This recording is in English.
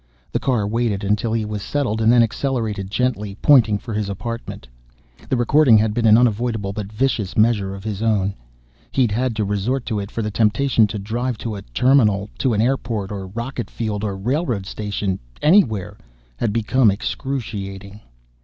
The car waited until he was settled and then accelerated gently, pointing for his apartment. The recording had been an unavoidable but vicious measure of his own. He'd had to resort to it, for the temptation to drive to a terminal, to an airport, or rocket field, or railroad station anywhere had become excruciating.